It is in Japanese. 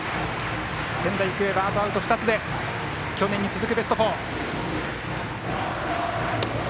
仙台育英は、あとアウト２つで去年に続くベスト４。